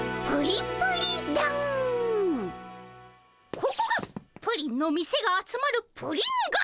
ここがプリンの店が集まるプリンがい。